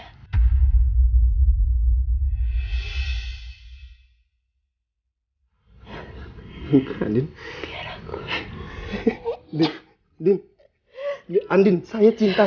nanti kamu di kehormat